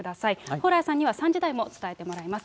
蓬莱さんには３時台も伝えてもらいます。